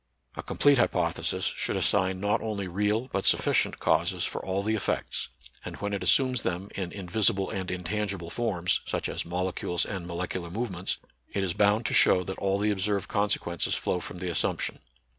A complete hypothesis should assign not only real but sufficient causes for all the effects ; and when it assumes them in invisible and intangi ble forms, such as molecules and molecular movements, it is bound to show that all the ob served consequences flow from the assumption.